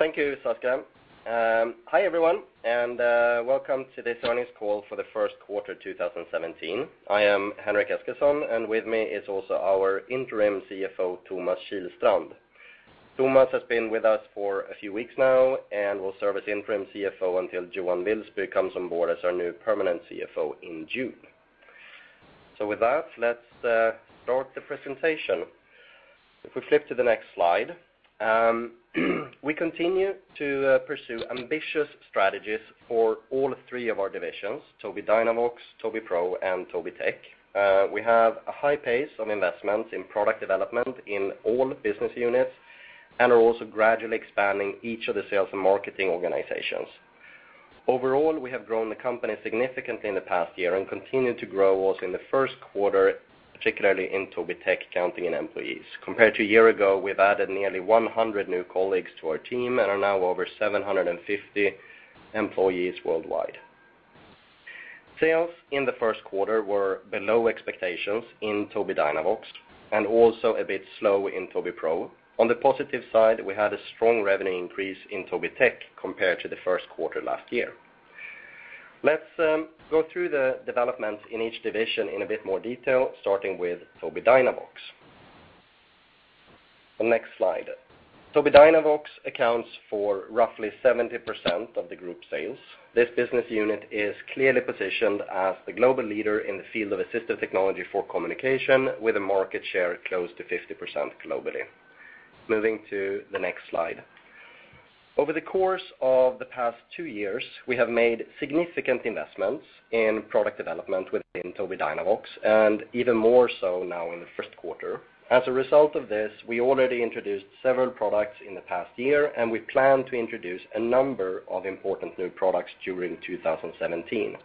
Thank you, Saskia. Hi everyone, welcome to this earnings call for the first quarter 2017. I am Henrik Sjöquist, and with me is also our interim CFO, Tomas Kilstrand. Tomas has been with us for a few weeks now and will serve as interim CFO until Johan Wilsby comes on board as our new permanent CFO in June. With that, let's start the presentation. If we flip to the next slide, we continue to pursue ambitious strategies for all three of our divisions, Tobii Dynavox, Tobii Pro, and Tobii Tech. We have a high pace of investment in product development in all business units and are also gradually expanding each of the sales and marketing organizations. Overall, we have grown the company significantly in the past year and continued to grow also in the first quarter, particularly in Tobii Tech, counting in employees. Compared to a year ago, we've added nearly 100 new colleagues to our team and are now over 750 employees worldwide. Sales in the first quarter were below expectations in Tobii Dynavox and also a bit slow in Tobii Pro. On the positive side, we had a strong revenue increase in Tobii Tech compared to the first quarter last year. Let's go through the developments in each division in a bit more detail, starting with Tobii Dynavox. The next slide. Tobii Dynavox accounts for roughly 70% of the group sales. This business unit is clearly positioned as the global leader in the field of assistive technology for communication, with a market share close to 50% globally. Moving to the next slide. Over the course of the past two years, we have made significant investments in product development within Tobii Dynavox, and even more so now in the first quarter. As a result of this, we already introduced several products in the past year, and we plan to introduce a number of important new products during 2017.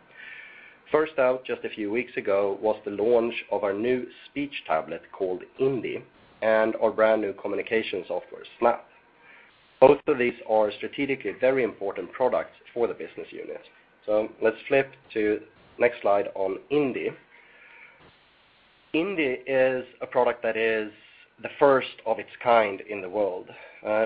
First out, just a few weeks ago, was the launch of our new speech tablet called Indi and our brand-new communication software, Snap. Both of these are strategically very important products for the business unit. Let's flip to next slide on Indi. Indi is a product that is the first of its kind in the world.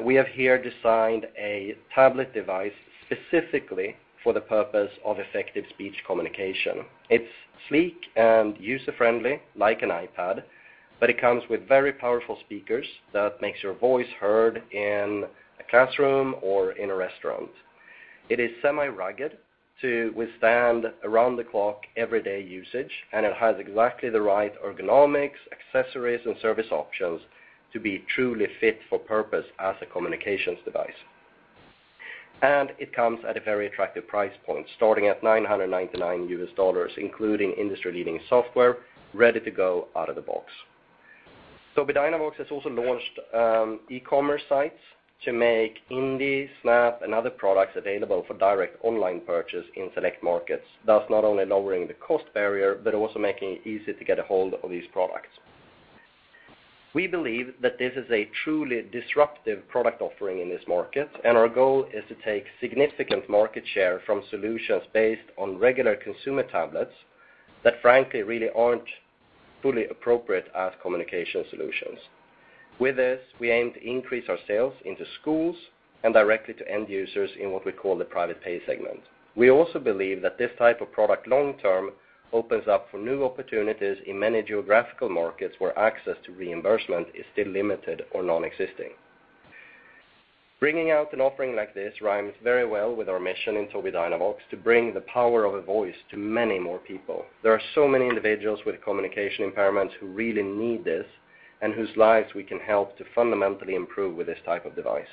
We have here designed a tablet device specifically for the purpose of effective speech communication. It's sleek and user-friendly like an iPad, but it comes with very powerful speakers that makes your voice heard in a classroom or in a restaurant. It is semi-rugged to withstand around-the-clock, everyday usage, and it has exactly the right ergonomics, accessories, and service options to be truly fit for purpose as a communications device. It comes at a very attractive price point, starting at $999 USD, including industry-leading software, ready to go out of the box. Tobii Dynavox has also launched e-commerce sites to make Indi, Snap, and other products available for direct online purchase in select markets, thus not only lowering the cost barrier, but also making it easy to get a hold of these products. We believe that this is a truly disruptive product offering in this market, and our goal is to take significant market share from solutions based on regular consumer tablets that frankly really aren't fully appropriate as communication solutions. With this, we aim to increase our sales into schools and directly to end users in what we call the private pay segment. We also believe that this type of product long term opens up for new opportunities in many geographical markets where access to reimbursement is still limited or non-existing. Bringing out an offering like this rhymes very well with our mission in Tobii Dynavox to bring the power of a voice to many more people. There are so many individuals with communication impairments who really need this and whose lives we can help to fundamentally improve with this type of device.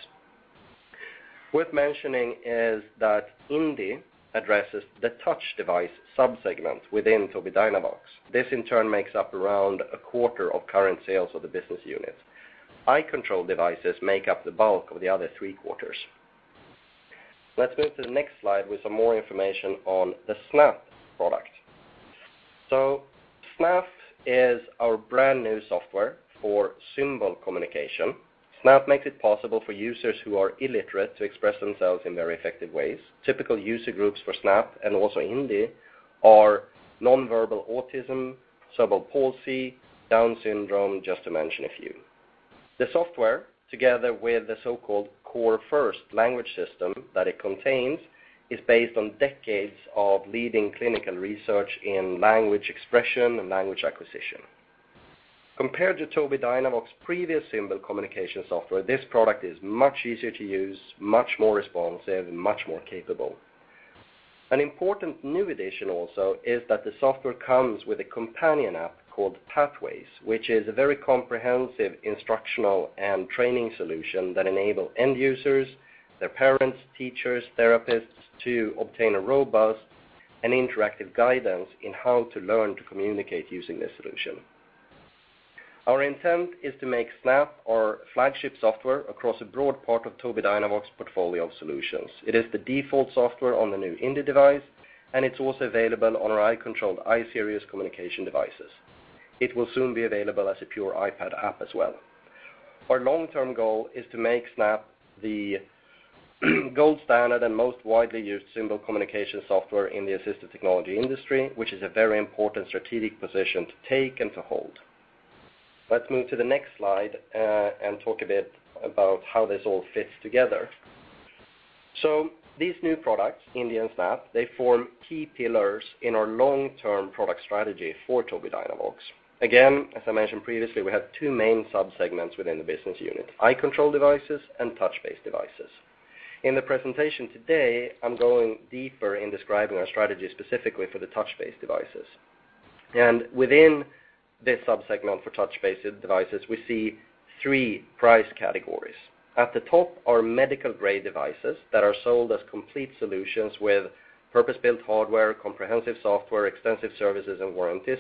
Worth mentioning is that Indi addresses the touch device sub-segment within Tobii Dynavox. This, in turn, makes up around a quarter of current sales of the business unit. Eye-controlled devices make up the bulk of the other three quarters. Let's move to the next slide with some more information on the Snap product. Snap is our brand-new software for symbol communication. Snap makes it possible for users who are illiterate to express themselves in very effective ways. Typical user groups for Snap and also Indi are non-verbal autism, cerebral palsy, Down syndrome, just to mention a few. The software, together with the so-called Core First language system that it contains, is based on decades of leading clinical research in language expression and language acquisition. Compared to Tobii Dynavox's previous symbol communication software, this product is much easier to use, much more responsive, and much more capable. An important new addition also is that the software comes with a companion app called Pathways, which is a very comprehensive instructional and training solution that enable end users, their parents, teachers, therapists to obtain a robust and interactive guidance in how to learn to communicate using this solution. Our intent is to make Snap our flagship software across a broad part of Tobii Dynavox portfolio solutions. It is the default software on the new Indi device, and it's also available on our eye-controlled I-Series communication devices. It will soon be available as a pure iPad app as well. Our long-term goal is to make Snap the gold standard and most widely used symbol communication software in the assistive technology industry, which is a very important strategic position to take and to hold. Let's move to the next slide, and talk a bit about how this all fits together. These new products, Indi and Snap, they form key pillars in our long-term product strategy for Tobii Dynavox. Again, as I mentioned previously, we have two main sub-segments within the business unit, eye control devices and touch-based devices. In the presentation today, I'm going deeper in describing our strategy specifically for the touch-based devices. Within this sub-segment for touch-based devices, we see 3 price categories. At the top are medical-grade devices that are sold as complete solutions with purpose-built hardware, comprehensive software, extensive services, and warranties,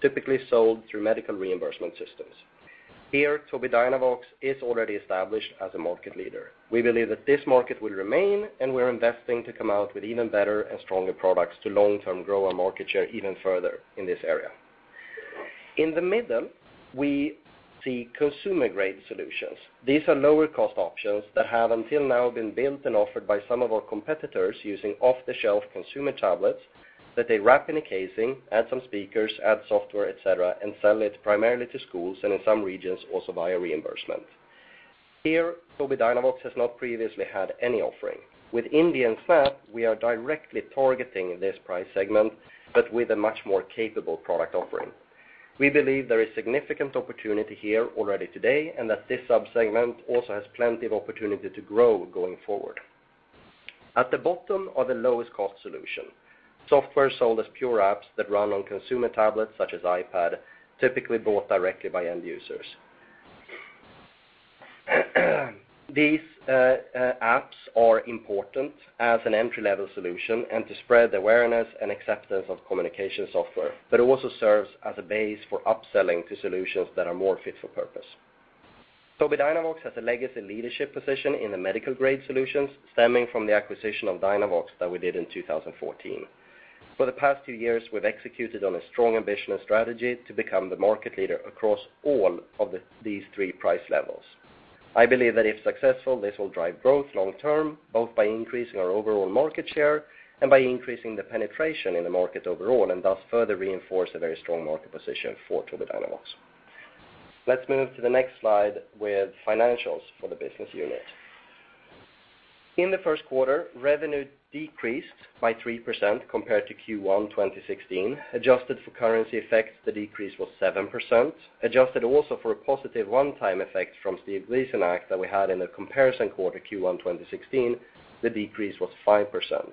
typically sold through medical reimbursement systems. Here, Tobii Dynavox is already established as a market leader. We believe that this market will remain, and we're investing to come out with even better and stronger products to long term grow our market share even further in this area. In the middle, we see consumer-grade solutions. These are lower-cost options that have until now been built and offered by some of our competitors using off-the-shelf consumer tablets that they wrap in a casing, add some speakers, add software, et cetera, and sell it primarily to schools, and in some regions, also via reimbursement. Here, Tobii Dynavox has not previously had any offering. With Indi and Snap, we are directly targeting this price segment, but with a much more capable product offering. We believe there is significant opportunity here already today, and that this sub-segment also has plenty of opportunity to grow going forward. At the bottom are the lowest cost solution, software sold as pure apps that run on consumer tablets such as iPad, typically bought directly by end users. These apps are important as an entry-level solution and to spread awareness and acceptance of communication software. It also serves as a base for upselling to solutions that are more fit for purpose. Tobii Dynavox has a legacy leadership position in the medical-grade solutions stemming from the acquisition of DynaVox that we did in 2014. For the past two years, we've executed on a strong, ambitious strategy to become the market leader across all of these 3 price levels. I believe that if successful, this will drive growth long term, both by increasing our overall market share and by increasing the penetration in the market overall, and thus further reinforce a very strong market position for Tobii Dynavox. Let's move to the next slide with financials for the business unit. In the first quarter, revenue decreased by 3% compared to Q1 2016. Adjusted for currency effects, the decrease was 7%. Adjusted also for a positive one-time effect from Steve Gleason Act that we had in the comparison quarter Q1 2016, the decrease was 5%.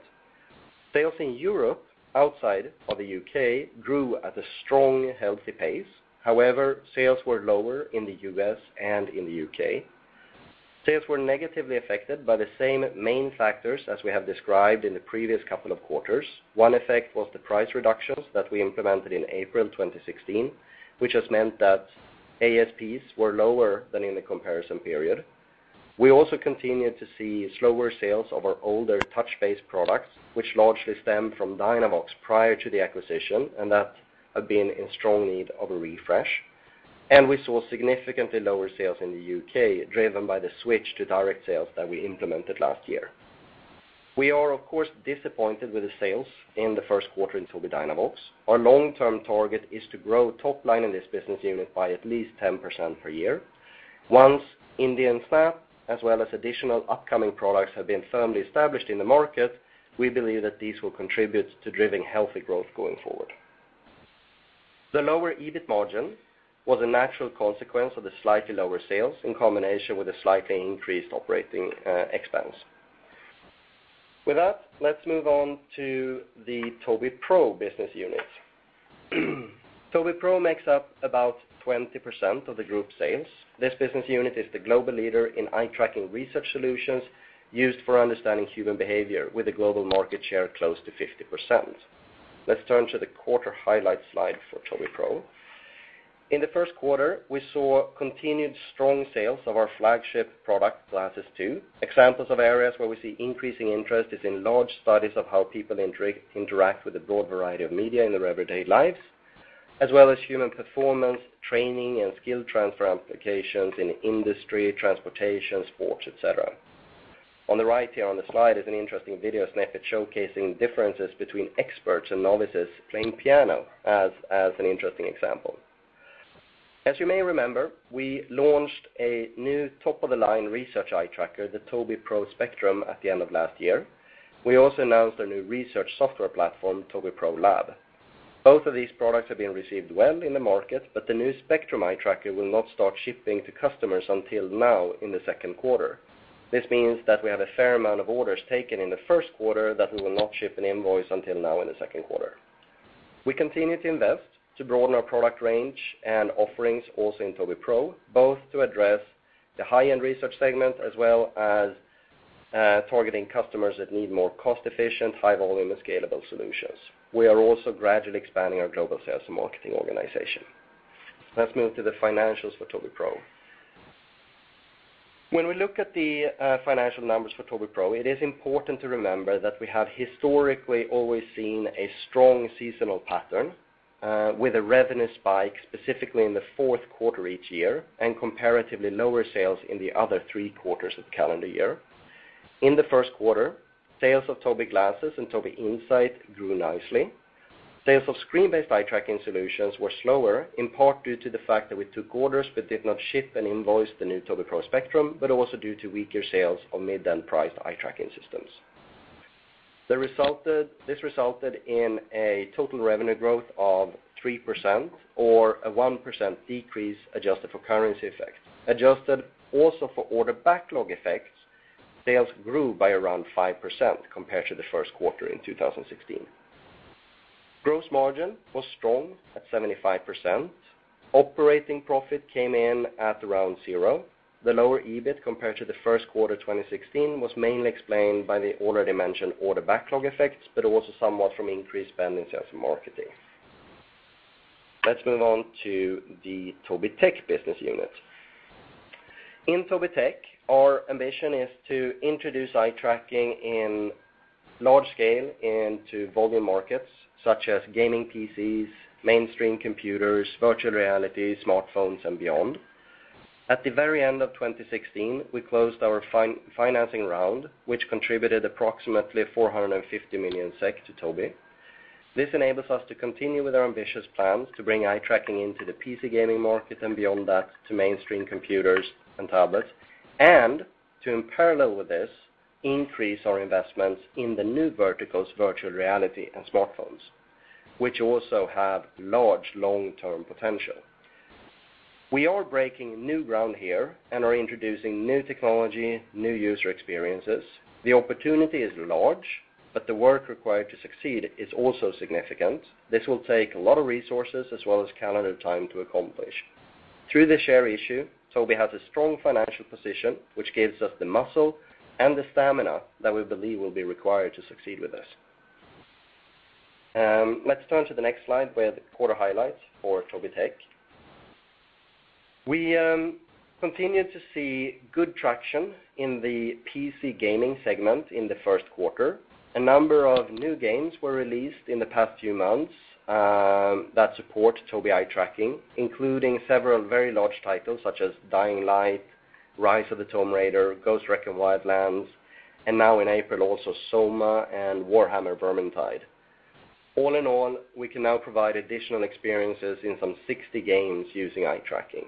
Sales in Europe, outside of the U.K., grew at a strong, healthy pace. Sales were lower in the U.S. and in the U.K. Sales were negatively affected by the same main factors as we have described in the previous couple of quarters. One effect was the price reductions that we implemented in April 2016, which has meant that ASPs were lower than in the comparison period. We also continued to see slower sales of our older touch-based products, which largely stemmed from DynaVox prior to the acquisition and that have been in strong need of a refresh. We saw significantly lower sales in the U.K., driven by the switch to direct sales that we implemented last year. We are, of course, disappointed with the sales in the first quarter in Tobii Dynavox. Our long-term target is to grow top line in this business unit by at least 10% per year. Once Indi and Snap, as well as additional upcoming products, have been firmly established in the market, we believe that these will contribute to driving healthy growth going forward. The lower EBIT margin was a natural consequence of the slightly lower sales in combination with the slightly increased operating expense. With that, let's move on to the Tobii Pro business unit. Tobii Pro makes up about 20% of the group sales. This business unit is the global leader in eye tracking research solutions used for understanding human behavior, with a global market share close to 50%. Let's turn to the quarter highlights slide for Tobii Pro. In the first quarter, we saw continued strong sales of our flagship product, Glasses 2. Examples of areas where we see increasing interest is in large studies of how people interact with a broad variety of media in their everyday lives, as well as human performance, training, and skill transfer applications in industry, transportation, sports, et cetera. On the right here on the slide is an interesting video snippet showcasing differences between experts and novices playing piano as an interesting example. As you may remember, we launched a new top-of-the-line research eye tracker, the Tobii Pro Spectrum, at the end of last year. We also announced a new research software platform, Tobii Pro Lab. Both of these products have been received well in the market, the new Spectrum eye tracker will not start shipping to customers until now in the second quarter. This means that we have a fair amount of orders taken in the first quarter that we will not ship an invoice until now in the second quarter. We continue to invest to broaden our product range and offerings also in Tobii Pro, both to address the high-end research segment, as well as targeting customers that need more cost-efficient, high-volume, and scalable solutions. We are also gradually expanding our global sales and marketing organization. Let's move to the financials for Tobii Pro. When we look at the financial numbers for Tobii Pro, it is important to remember that we have historically always seen a strong seasonal pattern, with a revenue spike specifically in the fourth quarter each year, and comparatively lower sales in the other three quarters of the calendar year. In the first quarter, sales of Tobii Glasses and Tobii Insight grew nicely. Sales of screen-based eye-tracking solutions were slower, in part due to the fact that we took orders but did not ship and invoice the new Tobii Pro Spectrum, but also due to weaker sales of mid-end priced eye-tracking systems. This resulted in a total revenue growth of 3% or a 1% decrease adjusted for currency effect. Adjusted also for order backlog effects, sales grew by around 5% compared to the first quarter in 2016. Gross margin was strong at 75%. Operating profit came in at around zero. The lower EBIT compared to the first quarter 2016 was mainly explained by the already mentioned order backlog effects, also somewhat from increased spending in sales and marketing. Let's move on to the Tobii Tech business unit. In Tobii Tech, our ambition is to introduce eye tracking in large scale into volume markets such as gaming PCs, mainstream computers, virtual reality, smartphones, and beyond. At the very end of 2016, we closed our financing round, which contributed approximately 450 million SEK to Tobii. This enables us to continue with our ambitious plans to bring eye tracking into the PC gaming market and beyond that, to mainstream computers and tablets. To, in parallel with this, increase our investments in the new verticals, virtual reality and smartphones, which also have large long-term potential. We are breaking new ground here and are introducing new technology, new user experiences. The opportunity is large, but the work required to succeed is also significant. This will take a lot of resources as well as calendar time to accomplish. Through the share issue, Tobii has a strong financial position, which gives us the muscle and the stamina that we believe will be required to succeed with this. Let's turn to the next slide with quarter highlights for Tobii Tech. We continued to see good traction in the PC gaming segment in the first quarter. A number of new games were released in the past few months that support Tobii eye tracking, including several very large titles such as "Dying Light," "Rise of the Tomb Raider," "Ghost Recon Wildlands," and now in April, also "SOMA" and "Warhammer: Vermintide." All in all, we can now provide additional experiences in some 60 games using eye tracking.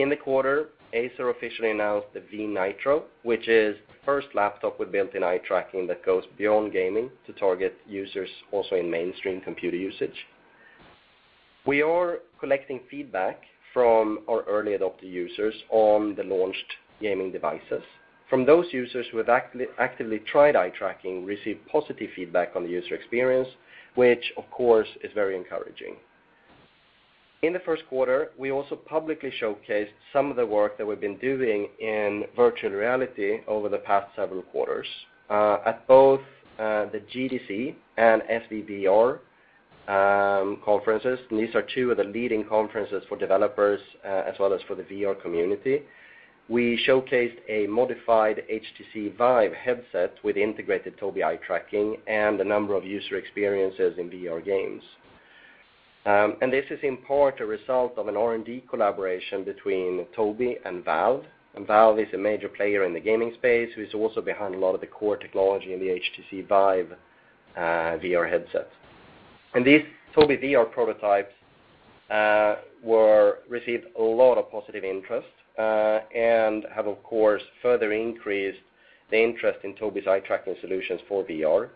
In the quarter, Acer officially announced the V Nitro, which is the first laptop with built-in eye tracking that goes beyond gaming to target users also in mainstream computer usage. We are collecting feedback from our early adopter users on the launched gaming devices. From those users who have actively tried eye tracking, received positive feedback on the user experience, which, of course, is very encouraging. In the first quarter, we also publicly showcased some of the work that we've been doing in virtual reality over the past several quarters. At both the GDC and SVVR conferences, these are two of the leading conferences for developers as well as for the VR community. We showcased a modified HTC VIVE headset with integrated Tobii eye tracking and a number of user experiences in VR games. This is in part a result of an R&D collaboration between Tobii and Valve. Valve is a major player in the gaming space, who is also behind a lot of the core technology in the HTC VIVE VR headset. These Tobii VR prototypes received a lot of positive interest and have, of course, further increased the interest in Tobii's eye-tracking solutions for VR.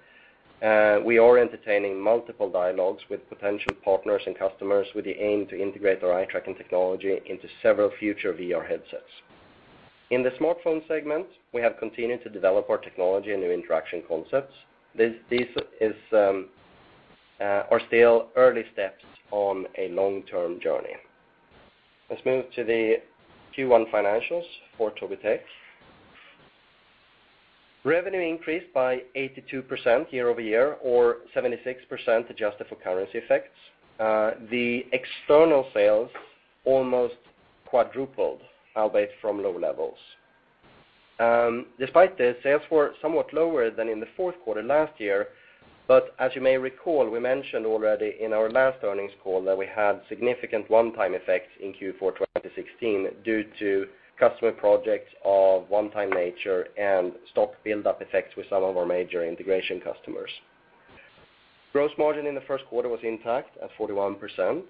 We are entertaining multiple dialogues with potential partners and customers with the aim to integrate our eye-tracking technology into several future VR headsets. In the smartphone segment, we have continued to develop our technology and new interaction concepts. These are still early steps on a long-term journey. Let's move to the Q1 financials for Tobii Tech. Revenue increased by 82% year-over-year or 76% adjusted for currency effects. The external sales almost quadrupled, albeit from low levels. Despite this, sales were somewhat lower than in the fourth quarter last year. As you may recall, we mentioned already in our last earnings call that we had significant one-time effects in Q4 2016 due to customer projects of one-time nature and stock build-up effects with some of our major integration customers. Gross margin in the first quarter was intact at 41%.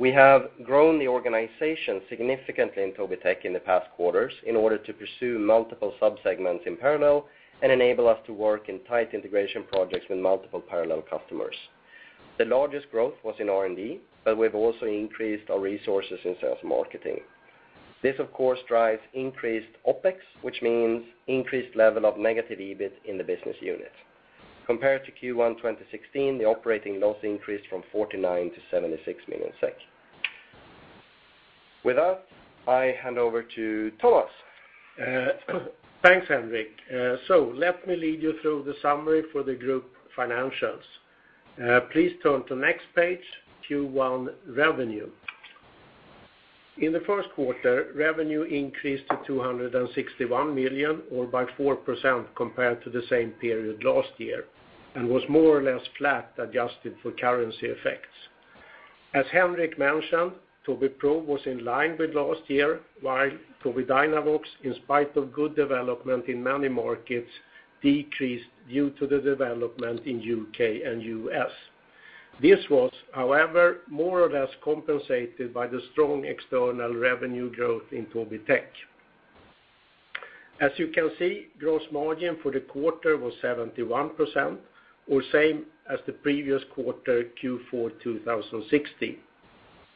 We have grown the organization significantly in Tobii Tech in the past quarters in order to pursue multiple subsegments in parallel and enable us to work in tight integration projects with multiple parallel customers. The largest growth was in R&D, we've also increased our resources in sales marketing. This, of course, drives increased OpEx, which means increased level of negative EBIT in the business unit. Compared to Q1 2016, the operating loss increased from 49 million to 76 million SEK. With that, I hand over to Tomas. Thanks, Henrik. Let me lead you through the summary for the group financials. Please turn to next page, Q1 revenue. In the first quarter, revenue increased to 261 million or by 4% compared to the same period last year and was more or less flat adjusted for currency effects. As Henrik mentioned, Tobii Pro was in line with last year, while Tobii Dynavox, in spite of good development in many markets, decreased due to the development in the U.K. and U.S. This was, however, more or less compensated by the strong external revenue growth in Tobii Tech. As you can see, gross margin for the quarter was 71%, or same as the previous quarter, Q4 2016.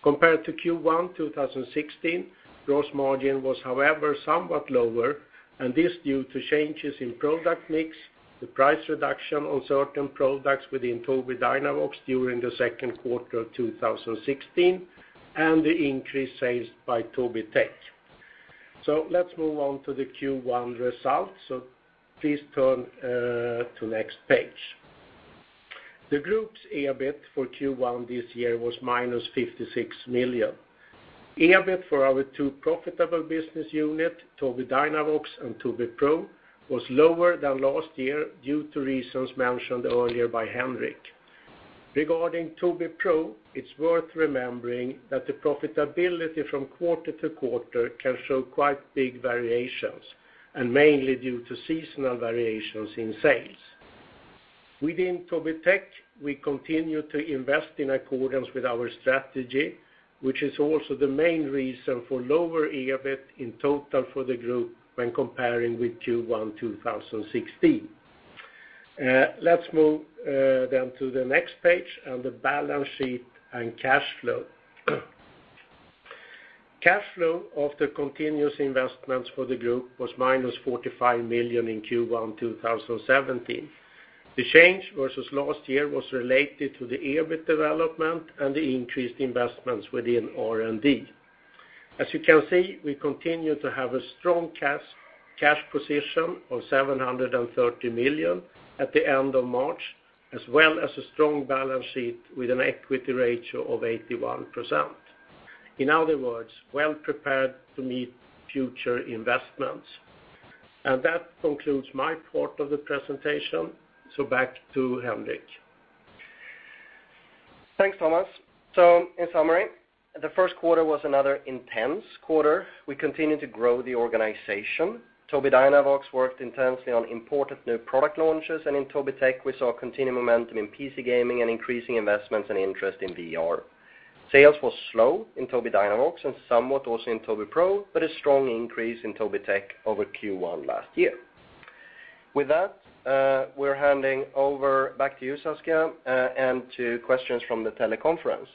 Compared to Q1 2016, gross margin was however somewhat lower, and this due to changes in product mix, the price reduction on certain products within Tobii Dynavox during the second quarter of 2016, and the increased sales by Tobii Tech. Let's move on to the Q1 results. Please turn to next page. The group's EBIT for Q1 this year was minus 56 million. EBIT for our two profitable business unit, Tobii Dynavox and Tobii Pro, was lower than last year due to reasons mentioned earlier by Henrik. Regarding Tobii Pro, it's worth remembering that the profitability from quarter to quarter can show quite big variations, mainly due to seasonal variations in sales. Within Tobii Tech, we continue to invest in accordance with our strategy, which is also the main reason for lower EBIT in total for the group when comparing with Q1 2016. Let's move to the next page on the balance sheet and cash flow. Cash flow of the continuous investments for the group was minus 45 million in Q1 2017. The change versus last year was related to the EBIT development and the increased investments within R&D. As you can see, we continue to have a strong cash position of 730 million at the end of March, as well as a strong balance sheet with an equity ratio of 81%. In other words, well prepared to meet future investments. That concludes my part of the presentation. Back to Henrik. Thanks, Tomas. In summary, the first quarter was another intense quarter. We continue to grow the organization. Tobii Dynavox worked intensely on important new product launches, and in Tobii Tech, we saw continued momentum in PC gaming and increasing investments and interest in VR. Sales was slow in Tobii Dynavox and somewhat also in Tobii Pro, but a strong increase in Tobii Tech over Q1 last year. With that, we're handing over back to you, Saskia, and to questions from the teleconference.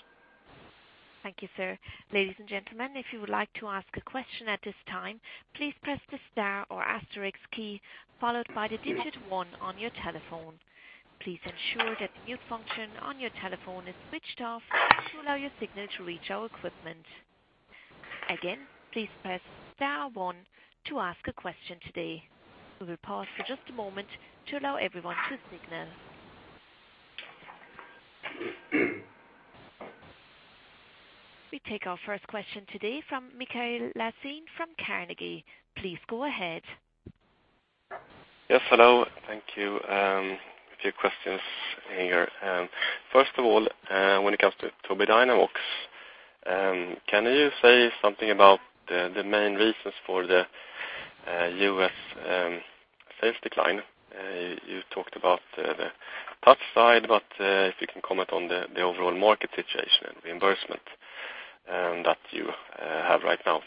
Thank you, sir. Ladies and gentlemen, if you would like to ask a question at this time, please press the star or asterisk key, followed by the digit one on your telephone. Please ensure that the mute function on your telephone is switched off to allow your signal to reach our equipment. Again, please press star one to ask a question today. We will pause for just a moment to allow everyone to signal. We take our first question today from Mikael Laséen from Carnegie. Please go ahead. Yes, hello. Thank you. A few questions here. First of all, when it comes to Tobii Dynavox, can you say something about the main reasons for the U.S. sales decline? You talked about the touch side, but if you can comment on the overall market situation and reimbursement that you have right now,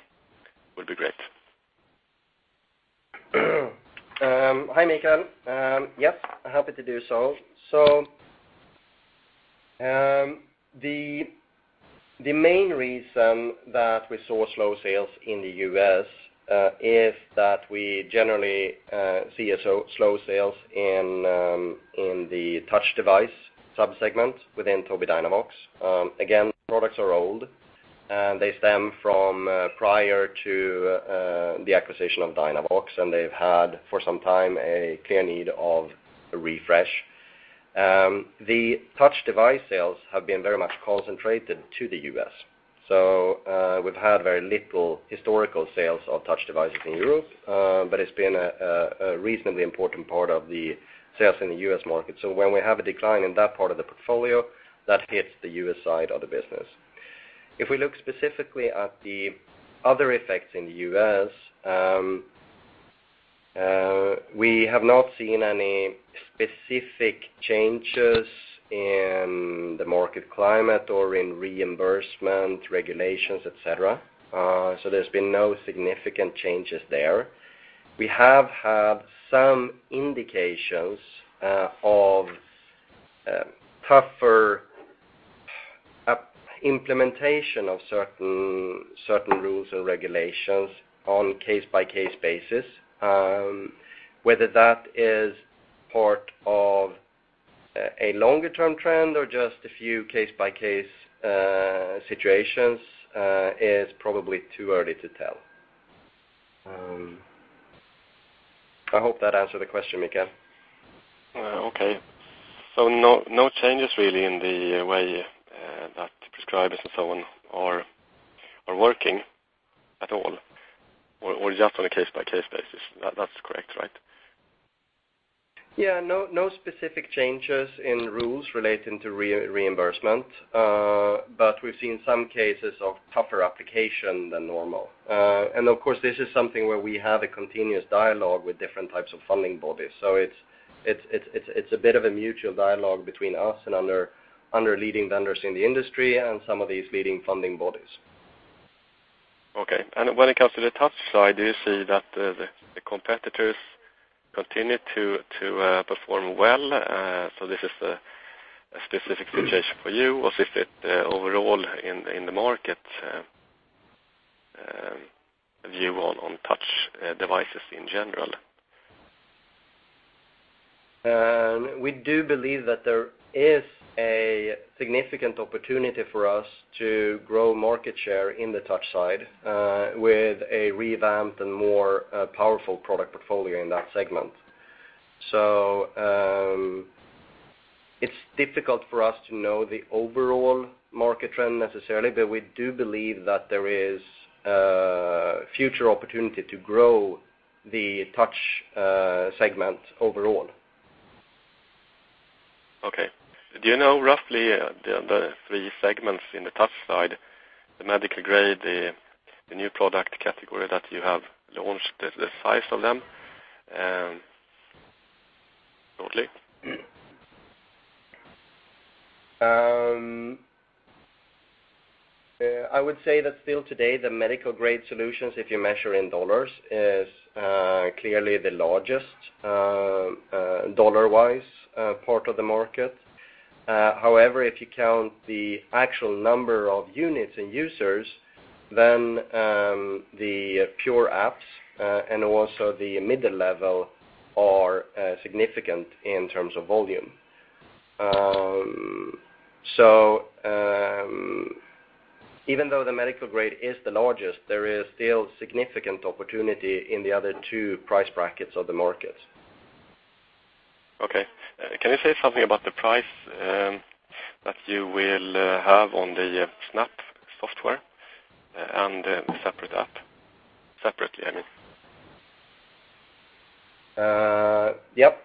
would be great. Hi, Mikael. Yep, happy to do so. The main reason that we saw slow sales in the U.S. is that we generally see slow sales in the touch device subsegment within Tobii Dynavox. Again, products are old. They stem from prior to the acquisition of Dynavox, and they've had, for some time, a clear need of a refresh. The touch device sales have been very much concentrated to the U.S., so we've had very little historical sales of touch devices in Europe, but it's been a reasonably important part of the sales in the U.S. market. When we have a decline in that part of the portfolio, that hits the U.S. side of the business. If we look specifically at the other effects in the U.S., we have not seen any specific changes in the market climate or in reimbursement regulations, et cetera. There's been no significant changes there. We have had some indications of tougher implementation of certain rules and regulations on case-by-case basis. Whether that is part of a longer-term trend or just a few case-by-case situations is probably too early to tell. I hope that answered the question, Mikael. Okay. No changes really in the way that prescribers and so on are working at all, or just on a case-by-case basis. That's correct, right? Yeah, no specific changes in rules relating to reimbursement, but we've seen some cases of tougher application than normal. Of course, this is something where we have a continuous dialogue with different types of funding bodies. It's a bit of a mutual dialogue between us and other leading vendors in the industry and some of these leading funding bodies. Okay. When it comes to the touch side, do you see that the competitors continue to perform well? This is a specific situation for you, or is it overall in the market, view on touch devices in general? We do believe that there is a significant opportunity for us to grow market share in the touch side with a revamped and more powerful product portfolio in that segment. It's difficult for us to know the overall market trend necessarily, but we do believe that there is a future opportunity to grow the touch segment overall. Okay. Do you know roughly the three segments in the touch side, the medical-grade, the new product category that you have launched, the size of them, shortly? I would say that still today, the medical-grade solutions, if you measure in dollars, is clearly the largest dollar-wise part of the market. If you count the actual number of units and users, then the pure apps and also the middle level are significant in terms of volume. Even though the medical grade is the largest, there is still significant opportunity in the other two price brackets of the market. Okay. Can you say something about the price that you will have on the Snap software and the separate app? Separately, I mean. Yep.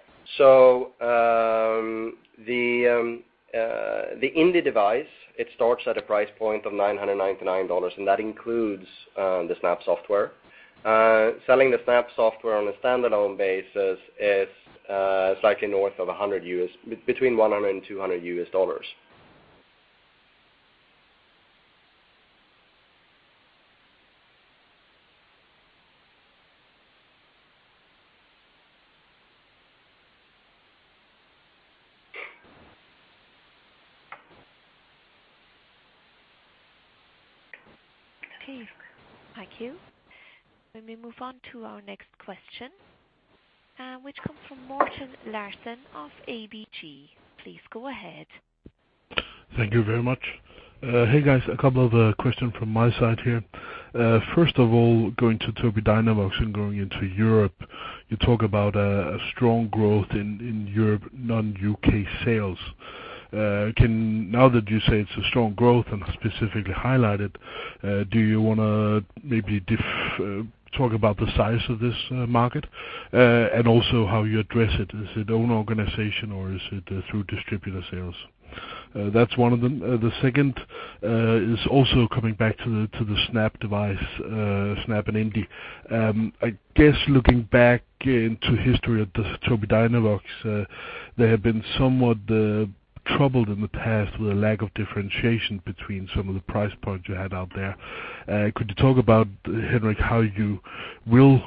The Indi device, it starts at a price point of $999, and that includes the Snap software. Selling the Snap software on a standalone basis is slightly north of $100, between $100 and $200. Okay. Thank you. Let me move on to our next question, which comes from Morten Larsen of ABG. Please go ahead. Thank you very much. Hey, guys, a couple of question from my side here. First of all, going to Tobii Dynavox and going into Europe, you talk about a strong growth in Europe non-U.K. sales. Now that you say it's a strong growth and specifically highlight it, do you want to maybe talk about the size of this market, and also how you address it? Is it own organization or is it through distributor sales? That's one of them. The second is also coming back to the Snap device, Snap and Indi. I guess looking back into history at the Tobii Dynavox, they have been somewhat troubled in the past with a lack of differentiation between some of the price points you had out there. Could you talk about, Henrik, how you will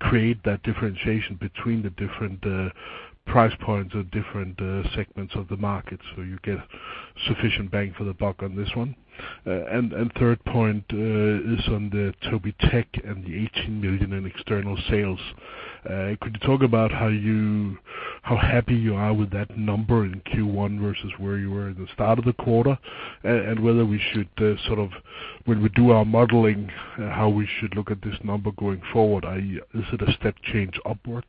create that differentiation between the different price points or different segments of the market so you get sufficient bang for the buck on this one? Third point is on the Tobii Tech and the 18 million in external sales. Could you talk about how happy you are with that number in Q1 versus where you were at the start of the quarter? Whether we should sort of, when we do our modeling, how we should look at this number going forward, is it a step change upwards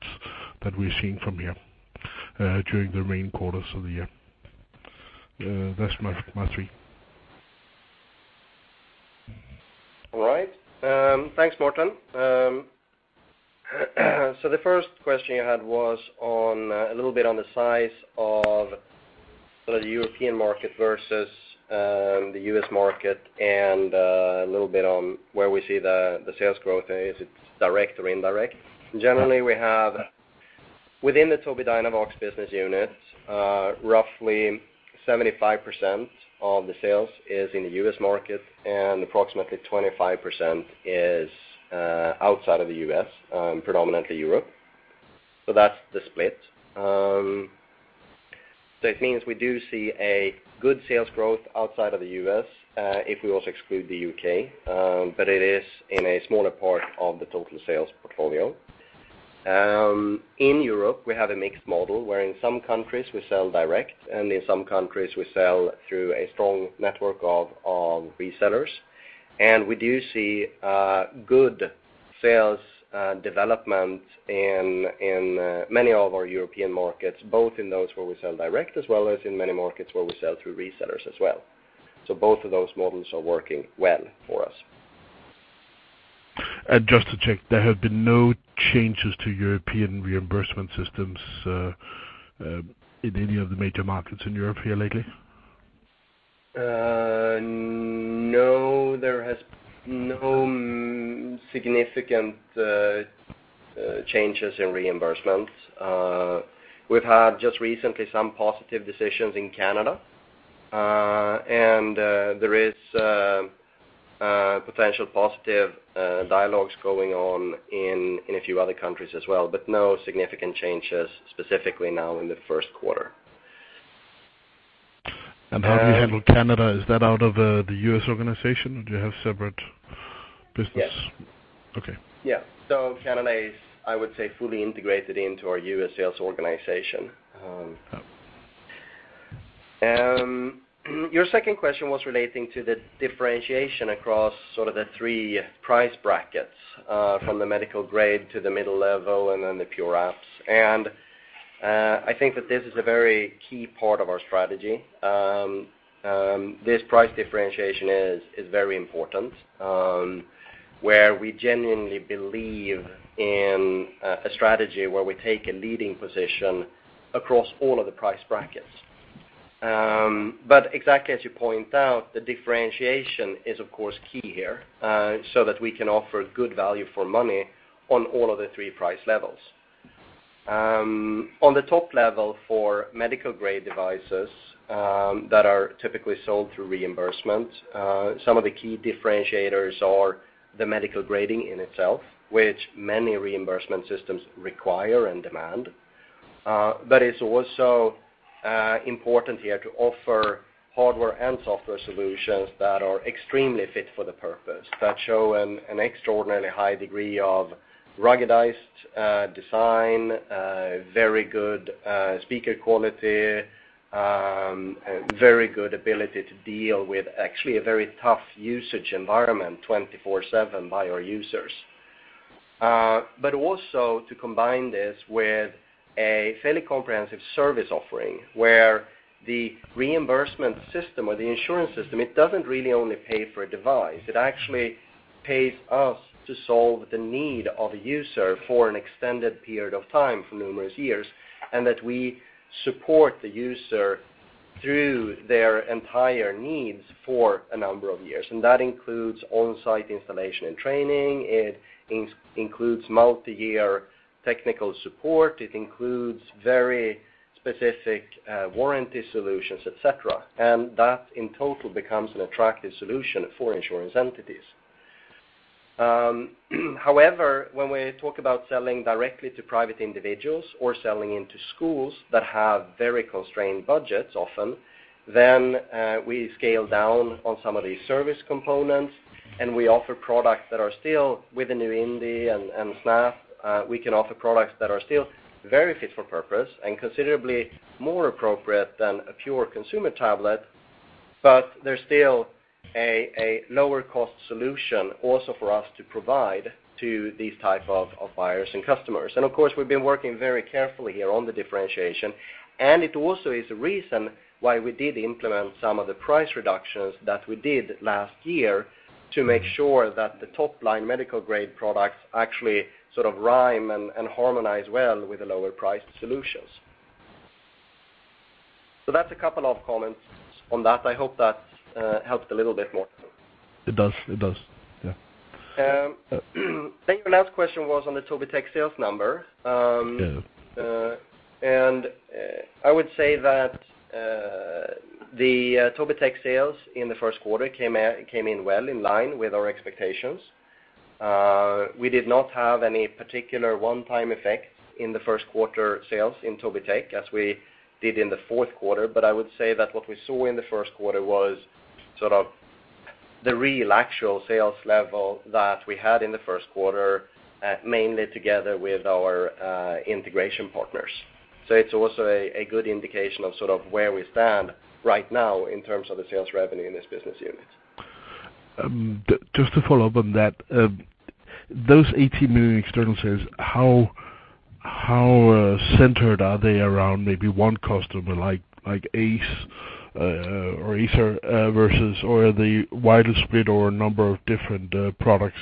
that we're seeing from here during the remaining quarters of the year? That's my three. All right. Thanks, Morten. The first question you had was a little bit on the size of the European market versus the U.S. market and a little bit on where we see the sales growth. Is it direct or indirect? Generally, we have within the Tobii Dynavox business unit, roughly 75% of the sales is in the U.S. market, and approximately 25% is outside of the U.S., predominantly Europe. That's the split. It means we do see a good sales growth outside of the U.S., if we also exclude the U.K., but it is in a smaller part of the total sales portfolio. In Europe, we have a mixed model where in some countries we sell direct, and in some countries, we sell through a strong network of resellers. We do see good sales development in many of our European markets, both in those where we sell direct, as well as in many markets where we sell through resellers as well. Both of those models are working well for us. Just to check, there have been no changes to European reimbursement systems in any of the major markets in Europe here lately? No, there has no significant changes in reimbursements. We've had just recently some positive decisions in Canada. There is potential positive dialogues going on in a few other countries as well, but no significant changes specifically now in the first quarter. How do you handle Canada? Is that out of the U.S. organization, or do you have separate business? Yes. Okay. Yeah. Canada is, I would say, fully integrated into our U.S. sales organization. Oh. Your second question was relating to the differentiation across sort of the 3 price brackets, from the medical-grade to the middle level and then the pure apps. I think that this is a very key part of our strategy. This price differentiation is very important, where we genuinely believe in a strategy where we take a leading position across all of the price brackets. Exactly as you point out, the differentiation is of course key here, so that we can offer good value for money on all of the 3 price levels. On the top level for medical-grade devices, that are typically sold through reimbursement, some of the key differentiators are the medical grading in itself, which many reimbursement systems require and demand. It's also important here to offer hardware and software solutions that are extremely fit for the purpose, that show an extraordinarily high degree of ruggedized design, very good speaker quality, very good ability to deal with actually a very tough usage environment 24/7 by our users. Also to combine this with a fairly comprehensive service offering, where the reimbursement system or the insurance system, it doesn't really only pay for a device, it actually pays us to solve the need of a user for an extended period of time for numerous years, and that we support the user through their entire needs for a number of years. That includes on-site installation and training, it includes multi-year technical support, it includes very specific warranty solutions, et cetera. That in total becomes an attractive solution for insurance entities. However, when we talk about selling directly to private individuals or selling into schools that have very constrained budgets often, then we scale down on some of these service components, and we offer products that are still with the new Indi and Snap. We can offer products that are still very fit for purpose and considerably more appropriate than a pure consumer tablet, but they're still a lower cost solution also for us to provide to these type of buyers and customers. Of course, we've been working very carefully here on the differentiation, and it also is a reason why we did implement some of the price reductions that we did last year to make sure that the top-line medical-grade products actually sort of rhyme and harmonize well with the lower-priced solutions. That's a couple of comments on that. I hope that helped a little bit more. It does. Yeah. I think your last question was on the Tobii Tech sales number. Yeah. I would say that the Tobii Tech sales in the first quarter came in well in line with our expectations. We did not have any particular one-time effect in the first quarter sales in Tobii Tech as we did in the fourth quarter. I would say that what we saw in the first quarter was sort of the real actual sales level that we had in the first quarter, mainly together with our integration partners. It is also a good indication of sort of where we stand right now in terms of the sales revenue in this business unit. Just to follow up on that. Those 18 million external sales, how centered are they around maybe one customer, like Acer, versus or are they widely split over a number of different products?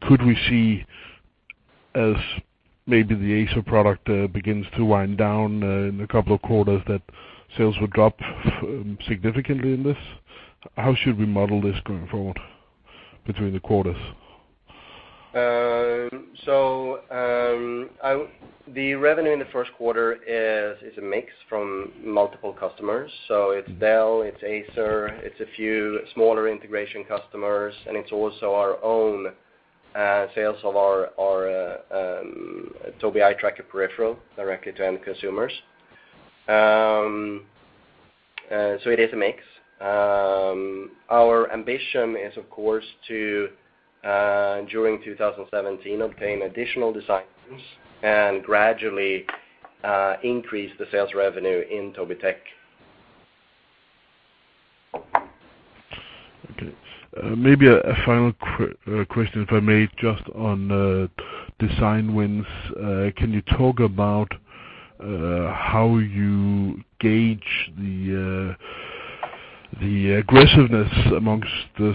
Could we see as maybe the Acer product begins to wind down in a couple of quarters that sales would drop significantly in this? How should we model this going forward between the quarters? The revenue in the first quarter is a mix from multiple customers. It is Dell, it is Acer, it is a few smaller integration customers, and it is also our own sales of our Tobii Eye Tracker peripheral directly to end consumers. It is a mix. Our ambition is of course to, during 2017, obtain additional designs and gradually increase the sales revenue in Tobii Tech. Okay. Maybe a final question, if I may, just on design wins. Can you talk about how you gauge the aggressiveness amongst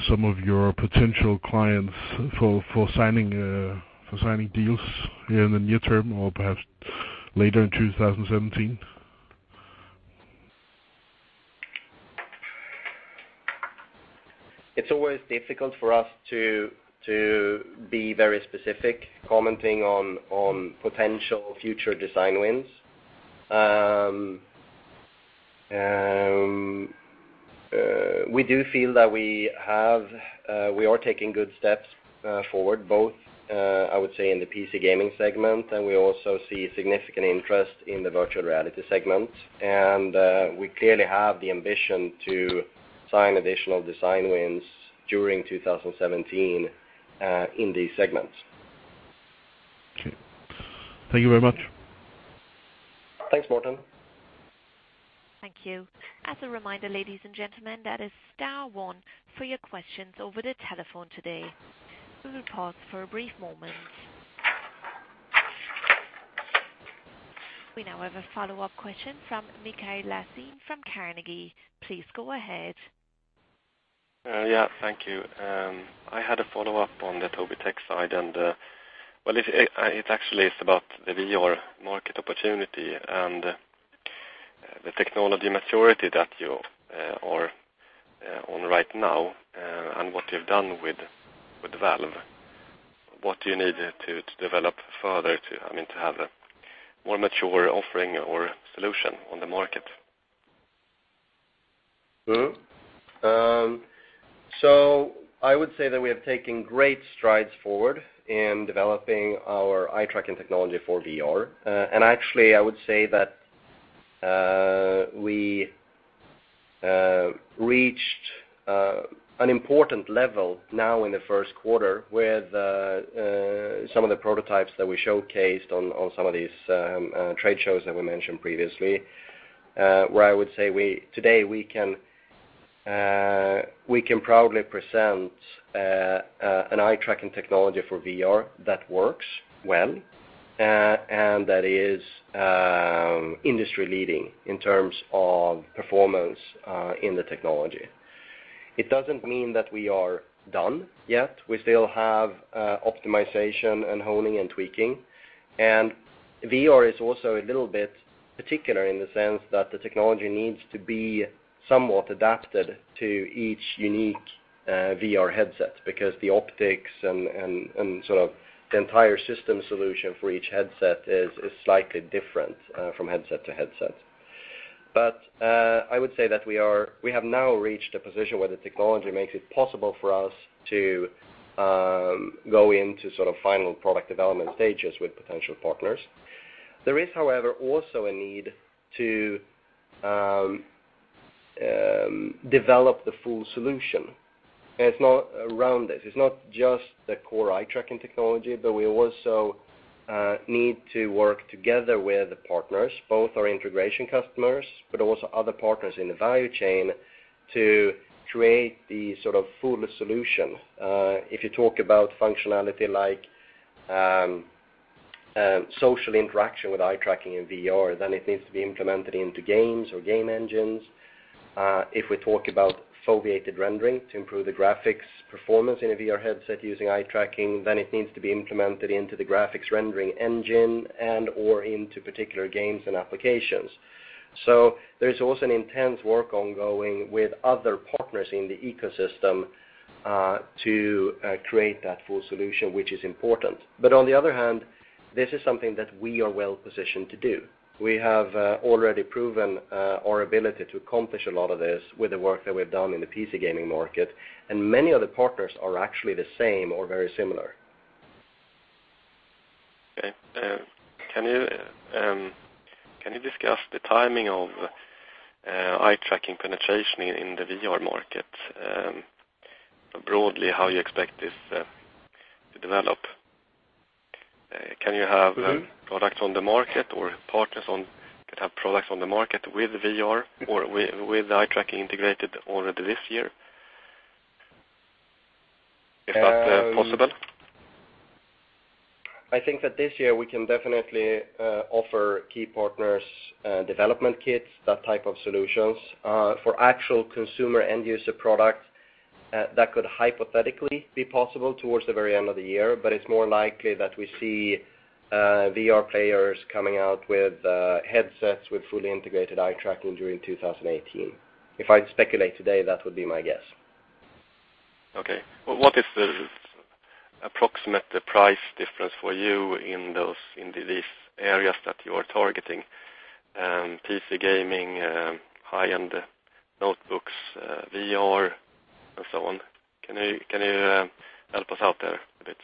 some of your potential clients for signing deals in the near term or perhaps later in 2017? It is always difficult for us to be very specific commenting on potential future design wins. We do feel that we are taking good steps forward, both I would say in the PC gaming segment, and we also see significant interest in the virtual reality segment. We clearly have the ambition to sign additional design wins during 2017, in these segments. Okay. Thank you very much. Thanks, Morten. Thank you. As a reminder, ladies and gentlemen, that is star one for your questions over the telephone today. We will pause for a brief moment. We now have a follow-up question from Mikael Laséen from Carnegie. Please go ahead. Thank you. I had a follow-up on the Tobii Tech side, well, it actually is about the VR market opportunity and the technology maturity that you are on right now and what you've done with Valve. What do you need to develop further to have a more mature offering or solution on the market? I would say that we have taken great strides forward in developing our eye-tracking technology for VR. actually, I would say that we reached an important level now in the first quarter with some of the prototypes that we showcased on some of these trade shows that we mentioned previously, where I would say today we can proudly present an eye-tracking technology for VR that works well, and that is industry leading in terms of performance in the technology. It doesn't mean that we are done yet. We still have optimization and honing and tweaking, and VR is also a little bit particular in the sense that the technology needs to be somewhat adapted to each unique VR headset because the optics and the entire system solution for each headset is slightly different from headset to headset. I would say that we have now reached a position where the technology makes it possible for us to go into final product development stages with potential partners. There is, however, also a need to develop the full solution around this. It's not just the core eye-tracking technology, but we also need to work together with partners, both our integration customers, but also other partners in the value chain to create the full solution. If you talk about functionality like social interaction with eye-tracking and VR, then it needs to be implemented into games or game engines. If we talk about foveated rendering to improve the graphics performance in a VR headset using eye-tracking, then it needs to be implemented into the graphics rendering engine and/or into particular games and applications. There's also an intense work ongoing with other partners in the ecosystem, to create that full solution, which is important. On the other hand, this is something that we are well-positioned to do. We have already proven our ability to accomplish a lot of this with the work that we've done in the PC gaming market, and many of the partners are actually the same or very similar. Okay. Can you discuss the timing of eye-tracking penetration in the VR market, broadly, how you expect this to develop? Can you have products on the market or partners can have products on the market with VR or with eye-tracking integrated already this year? Is that possible? I think that this year we can definitely offer key partners development kits, that type of solutions. For actual consumer end user product, that could hypothetically be possible towards the very end of the year, but it's more likely that we see VR players coming out with headsets with fully integrated eye-tracking during 2018. If I'd speculate today, that would be my guess. What is the approximate price difference for you in these areas that you are targeting? PC gaming, high-end notebooks, VR, and so on. Can you help us out there a bit?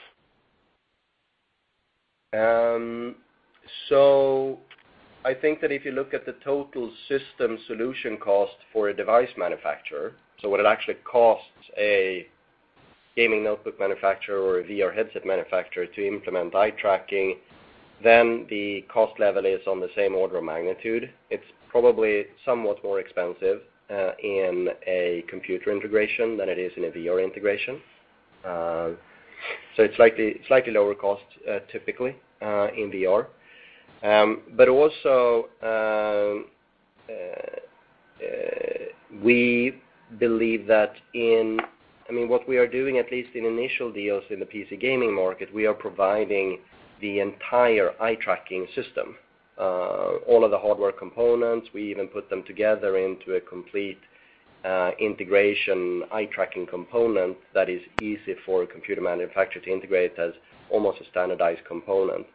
I think that if you look at the total system solution cost for a device manufacturer, what it actually costs a gaming notebook manufacturer or a VR headset manufacturer to implement eye tracking, then the cost level is on the same order of magnitude. It's probably somewhat more expensive in a computer integration than it is in a VR integration. It's slightly lower cost, typically, in VR. We believe that what we are doing, at least in initial deals in the PC gaming market, we are providing the entire eye tracking system. All of the hardware components, we even put them together into a complete integration eye tracking component that is easy for a computer manufacturer to integrate as almost a standardized component.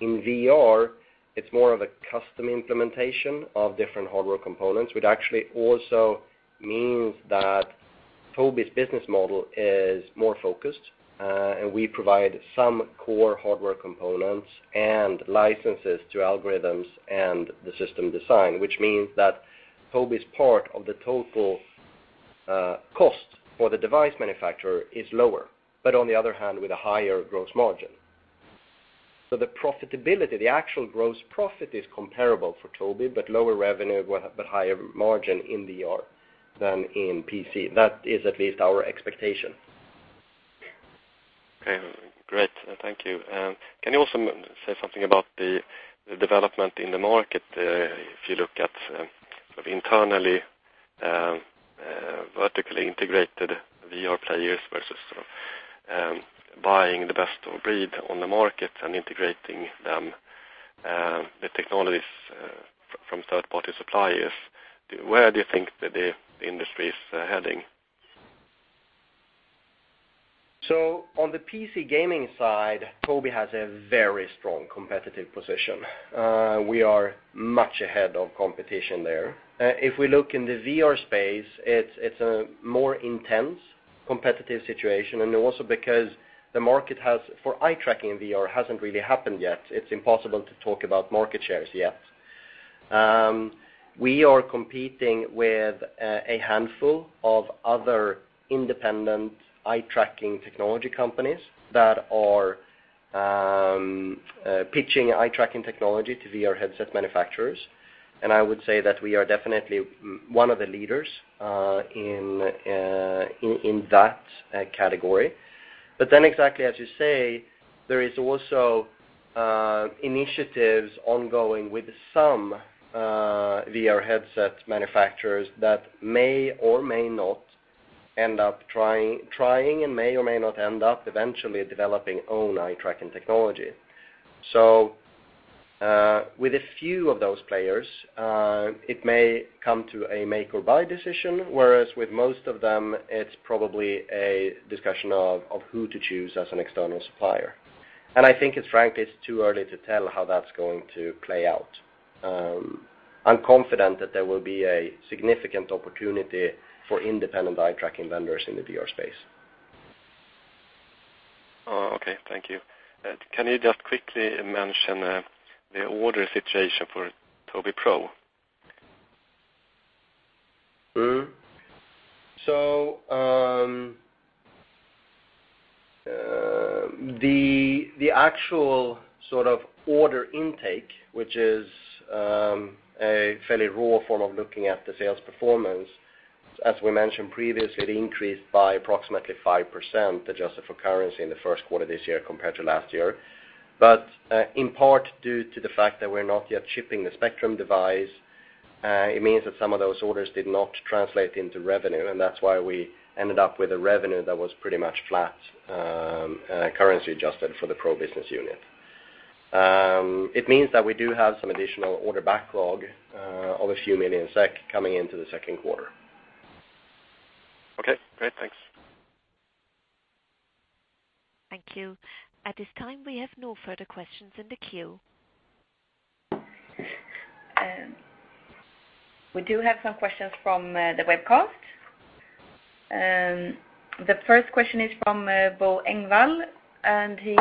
In VR, it's more of a custom implementation of different hardware components, which actually also means that Tobii's business model is more focused, and we provide some core hardware components and licenses to algorithms and the system design, which means that Tobii's part of the total cost for the device manufacturer is lower, but on the other hand, with a higher gross margin. The profitability, the actual gross profit is comparable for Tobii, but lower revenue, but higher margin in VR than in PC. That is at least our expectation. Great. Thank you. Can you also say something about the development in the market? If you look at, internally, vertically integrated VR players versus buying the best of breed on the market and integrating the technologies from third-party suppliers, where do you think the industry is heading? On the PC gaming side, Tobii has a very strong competitive position. We are much ahead of competition there. If we look in the VR space, it's a more intense competitive situation. Also because the market for eye-tracking VR hasn't really happened yet. It's impossible to talk about market shares yet. We are competing with a handful of other independent eye-tracking technology companies that are pitching eye-tracking technology to VR headset manufacturers, and I would say that we are definitely one of the leaders in that category. Exactly as you say, there is also initiatives ongoing with some VR headset manufacturers that may or may not end up trying, and may or may not end up eventually developing own eye-tracking technology. With a few of those players, it may come to a make or buy decision, whereas with most of them, it's probably a discussion of who to choose as an external supplier. I think, frankly, it's too early to tell how that's going to play out. I'm confident that there will be a significant opportunity for independent eye-tracking vendors in the VR space. Okay. Thank you. Can you just quickly mention the order situation for Tobii Pro? The actual order intake, which is a fairly raw form of looking at the sales performance, as we mentioned previously, it increased by approximately 5% adjusted for currency in the first quarter of this year compared to last year. In part due to the fact that we're not yet shipping the Spectrum device, it means that some of those orders did not translate into revenue, and that's why we ended up with a revenue that was pretty much flat, currency adjusted for the Pro business unit. It means that we do have some additional order backlog of a few million SEK coming into the second quarter. Okay, great. Thanks. Thank you. At this time, we have no further questions in the queue. We do have some questions from the webcast. The first question is from Bo Engvall, and he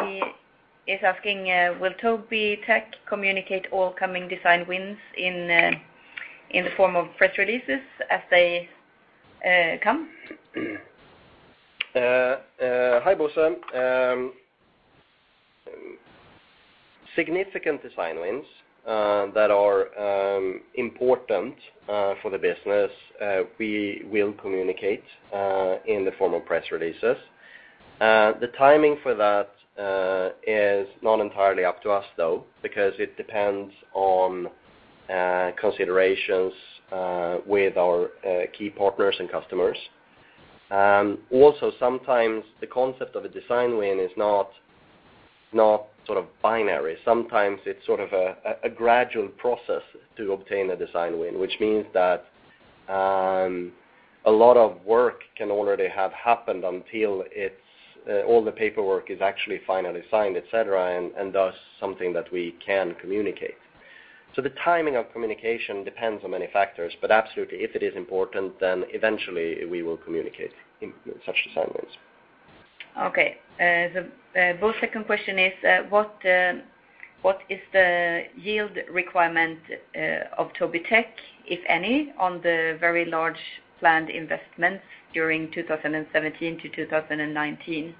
is asking, "Will Tobii Tech communicate all coming design wins in the form of press releases as they come? Hi, Bo. Significant design wins that are important for the business, we will communicate in the form of press releases. The timing for that is not entirely up to us, though, because it depends on considerations with our key partners and customers. Also, sometimes the concept of a design win is not binary. Sometimes it's a gradual process to obtain a design win, which means that a lot of work can already have happened until all the paperwork is actually finally signed, et cetera, and thus something that we can communicate. The timing of communication depends on many factors, but absolutely, if it is important, then eventually we will communicate such design wins. Bo's second question is, "What is the yield requirement of Tobii Tech, if any, on the very large planned investments during 2017 to 2019?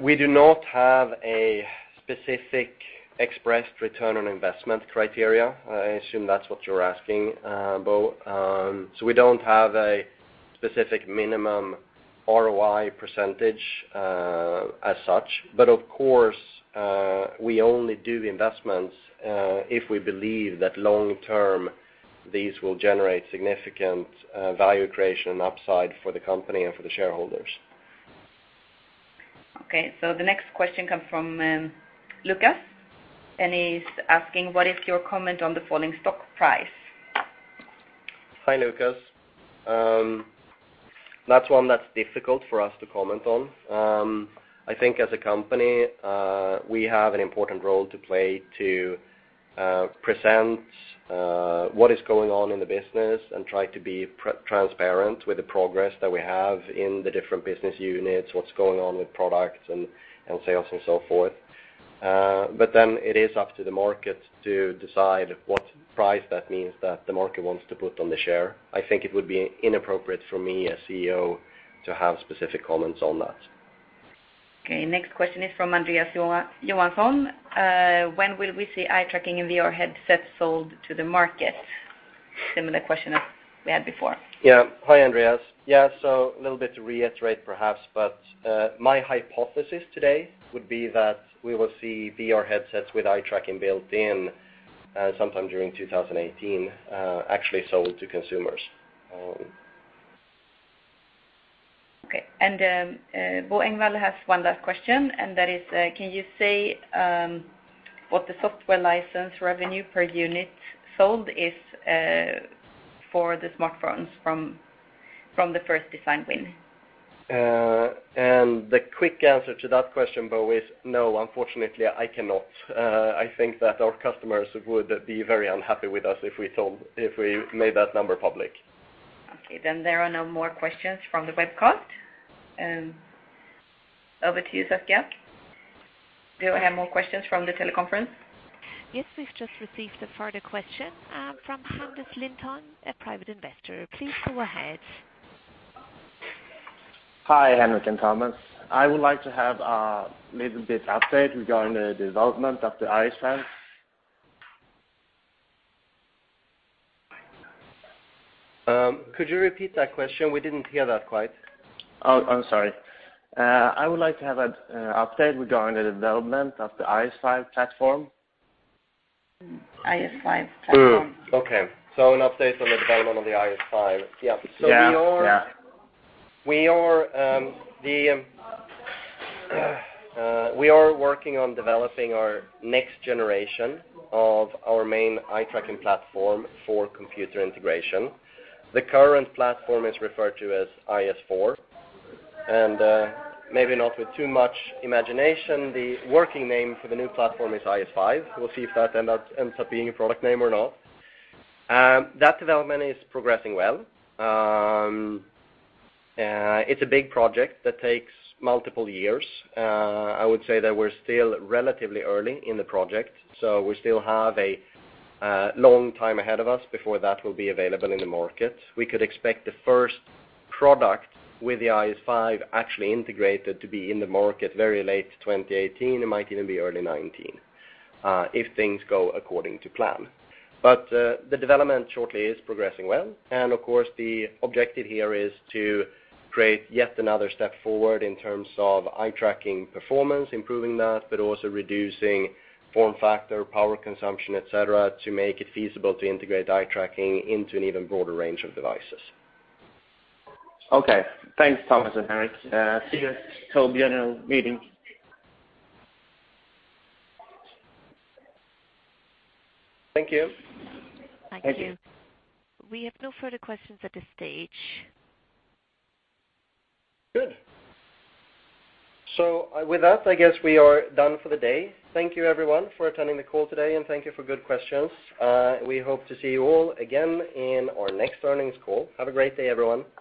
We do not have a specific expressed return on investment criteria. I assume that's what you're asking, Bo. We don't have a specific minimum ROI percentage as such. Of course, we only do investments if we believe that long-term, these will generate significant value creation and upside for the company and for the shareholders. The next question comes from Lucas, and he's asking, what is your comment on the falling stock price? Hi, Lucas. That's one that's difficult for us to comment on. I think as a company, we have an important role to play to present what is going on in the business and try to be transparent with the progress that we have in the different business units, what's going on with products and sales and so forth. It is up to the market to decide what price that means that the market wants to put on the share. I think it would be inappropriate for me as CEO to have specific comments on that. Okay. Next question is from Andreas Johansson. When will we see eye tracking and VR headsets sold to the market? Similar question as we had before. Yeah. Hi, Andreas. A little bit to reiterate perhaps, my hypothesis today would be that we will see VR headsets with eye tracking built in sometime during 2018 actually sold to consumers. Okay. Bo Engvall has one last question: can you say what the software license revenue per unit sold is for the smartphones from the first design win? The quick answer to that question, Bo, is no, unfortunately, I cannot. I think that our customers would be very unhappy with us if we made that number public. Okay, there are no more questions from the webcast. Over to you, Sophia. Do we have more questions from the teleconference? Yes, we've just received a further question from Anders Linton, a private investor. Please go ahead. Hi, Henrik and Tomas. I would like to have a little bit update regarding the development of the IS5. Could you repeat that question? We didn't hear that quite. Oh, I'm sorry. I would like to have an update regarding the development of the IS5 platform. IS5 platform. Okay, an update on the development of the IS5. Yeah. Yeah. We are working on developing our next generation of our main eye tracking platform for computer integration. The current platform is referred to as IS4. Maybe not with too much imagination, the working name for the new platform is IS5. We'll see if that ends up being a product name or not. That development is progressing well. It's a big project that takes multiple years. I would say that we're still relatively early in the project, we still have a long time ahead of us before that will be available in the market. We could expect the first product with the IS5 actually integrated to be in the market very late 2018. It might even be early 2019, if things go according to plan. The development shortly is progressing well, and of course, the objective here is to create yet another step forward in terms of eye tracking performance, improving that, but also reducing form factor, power consumption, et cetera, to make it feasible to integrate eye tracking into an even broader range of devices. Okay. Thanks, Tomas and Henrik. See you at Tobii annual meeting. Thank you. Thank you. We have no further questions at this stage. Good. With that, I guess we are done for the day. Thank you everyone for attending the call today, and thank you for good questions. We hope to see you all again in our next earnings call. Have a great day, everyone.